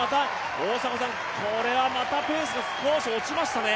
これはまたペースが少し落ちましたね。